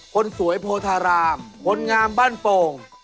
คนสวยโพธารามคนงามบ้านโป่ง